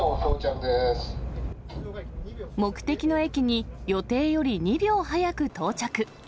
目的の駅に予定より２秒早く到着。